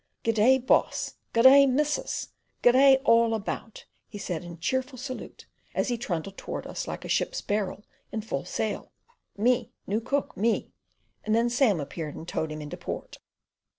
"Good day, boss! Good day, missus! Good day, all about," he said in cheerful salute, as he trundled towards us like a ship's barrel in full sail. "Me new cook, me—" and then Sam appeared and towed him into port.